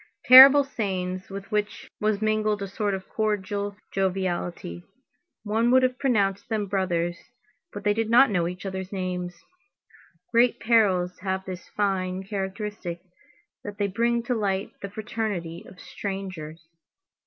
Terrible sayings with which was mingled a sort of cordial joviality. One would have pronounced them brothers, but they did not know each other's names. Great perils have this fine characteristic, that they bring to light the fraternity of strangers.